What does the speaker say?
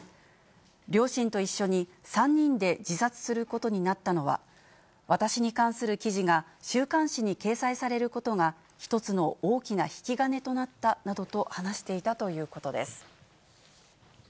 両親と一緒に３人で自殺することになったのは、私に関する記事が週刊誌に掲載されることが、一つの大きな引き金となったなどと話していたということです。